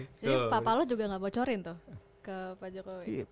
jadi papa lo juga gak bocorin tuh ke pak jokowi